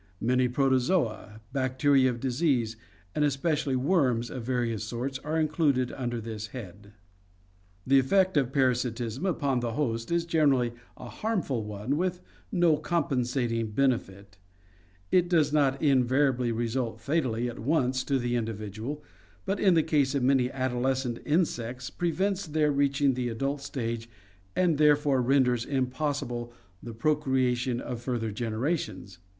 Many Protozoa, bacteria of disease, and especially worms of various sorts are included under this head. 264 ORGANIC EVOLUTION Effect of Parasitism On the Host. — The effect of parasitism upon the host is gen erally a harmful one with no compensating benefit. It does not invariably result fatally at once to the individual, but in the case of many adolescent insects prevents their reaching the adult stage and therefore renders impossible the procreation of further generations.